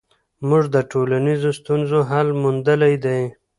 موږ د ټولنیزو ستونزو حل موندلی دی.